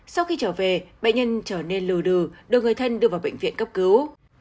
sau khi trở về bệnh nhân trở nên lừ đừ đưa người thân đưa vào bệnh viện cấp cứu